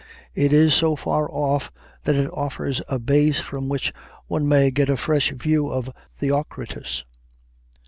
It is so far off that it offers a base from which one may get a fresh view of Theocritus.